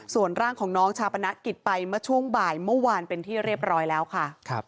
ส่วนร่างของน้องชาปนกิจไปเมื่อช่วงบ่ายเมื่อวานเป็นที่เรียบร้อยแล้วค่ะ